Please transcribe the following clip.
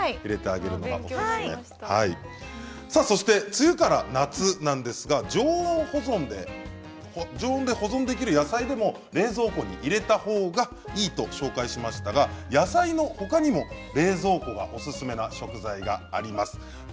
梅雨から夏なんですが常温保存でできる野菜でも冷蔵庫に入れたほうがいいと紹介しましたが野菜のほかにも冷蔵庫がおすすめな食材があります。